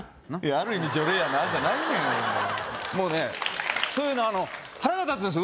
「ある意味除霊やな」じゃないねんそういうの腹が立つんですよ